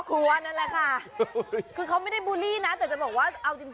เกือบล้าน